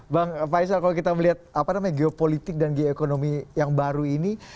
bang faisal kalau kita melihat geopolitik dan geoekonomi yang baru ini